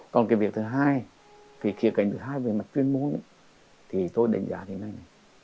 còn cái việc thứ hai cái kìa cảnh thứ hai về mặt chuyên môn thì thôi đánh giá thế này